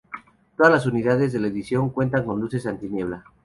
Todas las unidades de la edición cuentan con luces antiniebla.